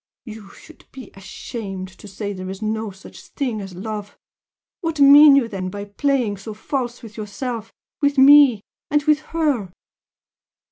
You should be ashamed to say there is no such thing as love! What mean you then by playing so false with yourself? with me? and with HER?"